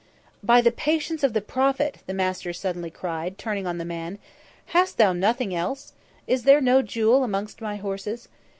"By the patience of the Prophet," the master suddenly cried, turning on the man, "hast thou nothing else? Is there no jewel amongst my horses?